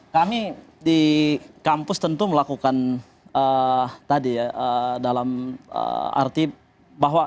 kami di kampus tentu melakukan tadi ya dalam arti bahwa kami sebagai organisasi berusaha untuk mengembangkan